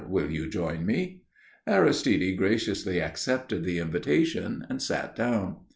Will you join me?" Aristide graciously accepted the invitation and sat down.